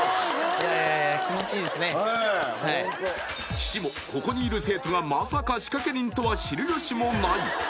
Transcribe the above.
いやいや岸もここにいる生徒がまさか仕掛人とは知るよしもない